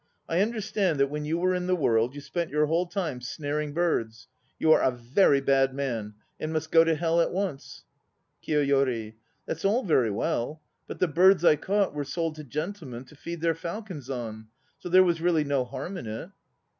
I understand that when you were in thr world you spent your whole time snaring birds. You are a very bad man and must go to Hell at once. KIYOYOKI That's all very well. But the birds I caught were sold to gentlemen to feed their falcons on; so there was really no harm in it.